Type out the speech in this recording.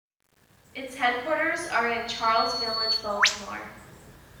Its headquarters are in Charles Village, Baltimore.